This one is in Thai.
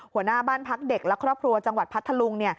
หัวหน้าบ้านพักเด็กและครอบครัวจังหวัดพัทธลุง